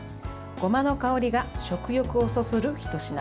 ごまの香りが食欲を香るひと品。